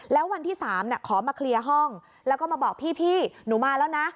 แล้ววันที่๓ขอมาเคลียร์ห้องแล้วก็มาบอกพี่หนูมาแล้วนะ